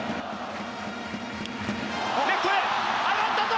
レフトへ上がったぞ！